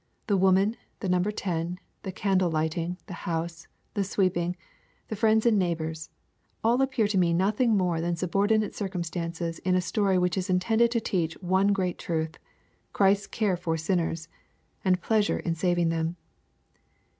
The woman, — the number ten, — the candle hghting, — the house, — the sweeping, — ^the friends and neighbors, all appear to me nothing more than subordinate circumstances in a story which is intended to teach one great truth, Christ's care for sinners, and pleasure in saving them.